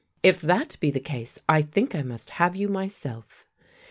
If that be the case, I think I must have you myself."